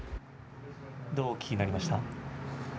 どうお聞きになりましたか？